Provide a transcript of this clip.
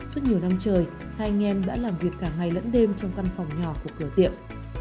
suốt nhiều năm trời hai anh em đã làm việc cả ngày lẫn đêm trong căn phòng nhỏ của cửa tiệm